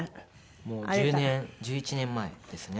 もう１０年１１年前ですね。